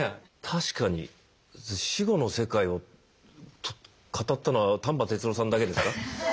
確かに死後の世界を語ったのは丹波哲郎さんだけですか。